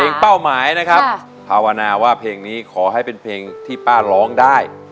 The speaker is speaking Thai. เป้าหมายนะครับภาวนาว่าเพลงนี้ขอให้เป็นเพลงที่ป้าร้องได้